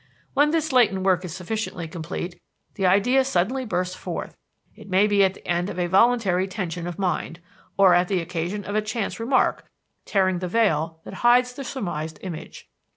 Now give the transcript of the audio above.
"When this latent work is sufficiently complete, the idea suddenly bursts forth, it may be at the end of a voluntary tension of mind, or on the occasion of a chance remark, tearing the veil that hides the surmised image.